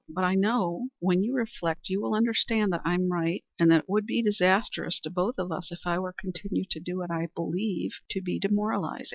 But I know, when you reflect, you will understand that I am right, and that it would be disastrous to both of us if I were to continue to do what I believe demoralizing.